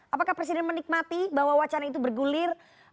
apakah presiden menikmati bahwa wacana itu bergulir